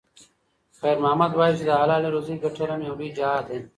خیر محمد وایي چې د حلالې روزۍ ګټل هم یو لوی جهاد دی.